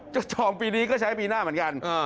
จะจองปีนี้ก็ใช้ปีหน้าเหมือนกัน